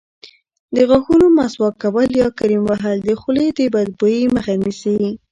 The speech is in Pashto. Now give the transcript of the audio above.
د غاښونو مسواک کول یا کریم وهل د خولې د بدبویۍ مخه نیسي.